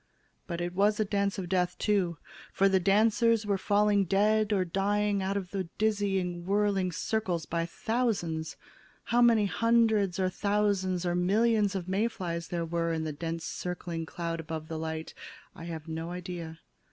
But it was a dance of death, too, for the dancers were falling dead or dying out of the dizzying whirly circles by thousands. How many hundreds or thousands or millions of May flies there were in the dense circling cloud about the light, I have no idea.